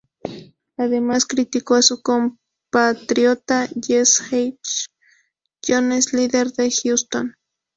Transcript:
Además, criticó a su compatriota Jesse H. Jones, líder de Houston.